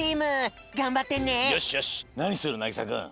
よしよしなにするなぎさくん。